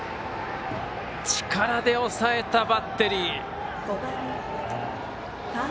力で抑えたバッテリー。